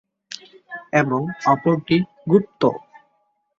এবং অপরটি গুপ্ত।